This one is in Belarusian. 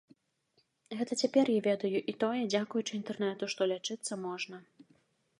Гэта цяпер я ведаю, і тое, дзякуючы інтэрнэту, што лячыцца можна!